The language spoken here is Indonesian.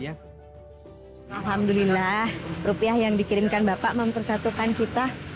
alhamdulillah rupiah yang dikirimkan bapak mempersatukan kita